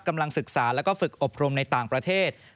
กำลังศึกษาแล้วก็ฝึกอบรมในต่างประเทศ